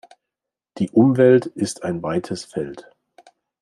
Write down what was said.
Die Umwelt ist ein weites Feld.